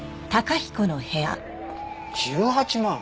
１８万？